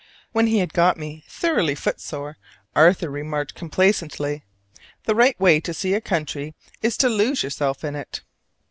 When he had got me thoroughly foot sore, Arthur remarked complacently, "The right way to see a country is to lose yourself in it!"